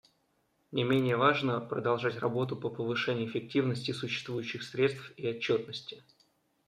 Не менее важно продолжать работу по повышению эффективности существующих средств и отчетности.